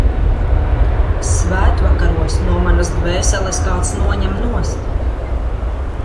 Svētvakaros no manas dvēseles kāds noņem nost.